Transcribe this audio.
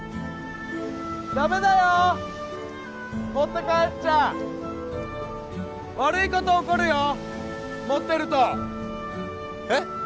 ・ダメだよ持って帰っちゃ悪いこと起こるよ持ってるとえっ？